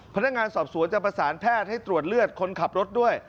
พนักงานสอบสวนจะประสานแพทย์ให้ตรวจเลือดคนขับรถด้วย